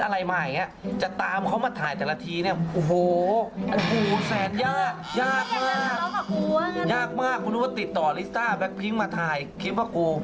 โอ้ยเจ๊สขโมยงาน